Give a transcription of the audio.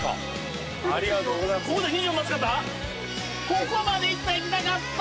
ここまでいったらいきたかった。